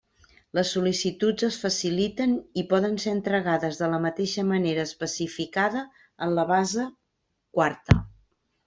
Les sol·licituds es faciliten i poden ser entregades de la mateixa manera especificada en la base quarta.